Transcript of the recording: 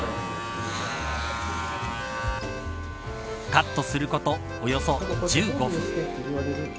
カットすること、およそ１５分。